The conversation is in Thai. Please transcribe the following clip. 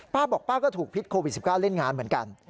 บอกป้าก็ถูกพิษโควิด๑๙เล่นงานเหมือนกัน